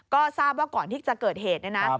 ก็ทราบว่าก่อนที่จะเกิดเหตุเนี่ยนะ